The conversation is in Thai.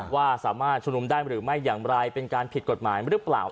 ว่าสามารถชุมนุมได้หรือไม่อย่างไรเป็นการผิดกฎหมายหรือเปล่า